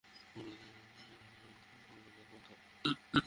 পরবর্তীতে জানা যায় তিনি টেস্টিকুলার ফেমিনাইজেশন রোগে আক্রান্ত।